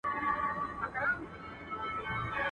ادم خان دي په نظر گوروان درځي.